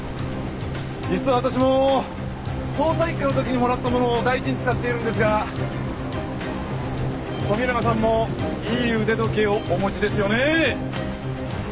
実は私も捜査一課の時にもらったものを大事に使っているんですが富永さんもいい腕時計をお持ちですよね。